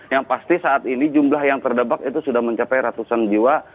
yang pasti saat ini jumlah yang terdebak itu sudah mencapai ratusan jiwa